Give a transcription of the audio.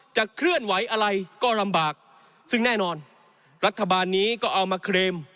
เคลื่อนไหวอะไรก็ลำบากซึ่งแน่นอนรัฐบาลนี้ก็เอามาเคลม